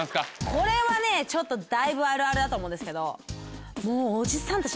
これはねちょっとだいぶあるあるだと思うんですけどもうおじさんたち。